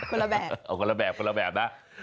คนละแบบเอาคนละแบบคนละแบบนะ